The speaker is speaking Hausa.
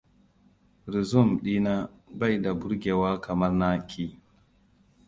Resume ɗina bai da burgewa kamar na ki.